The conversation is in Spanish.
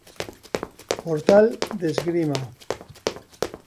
Portal de Esgrima